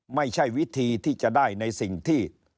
ไม่ใช่วิธีที่จะได้ในสิ่งที่